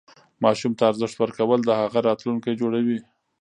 ماشوم ته ارزښت ورکول د هغه راتلونکی جوړوي.